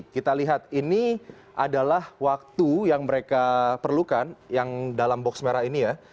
kita lihat ini adalah waktu yang mereka perlukan yang dalam box merah ini ya